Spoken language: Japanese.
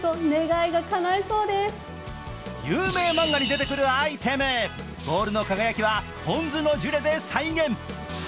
有名漫画に出てくるアイテム、ボールの輝きはポン酢のジュレで再現。